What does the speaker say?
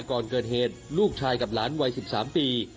ก่อนเกิดเหตุลูกชายกับหลานวัย๑๓ปี